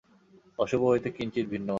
অশুভ হইতে কিঞ্চিৎ ভিন্ন মাত্র।